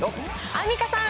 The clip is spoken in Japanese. アンミカさん。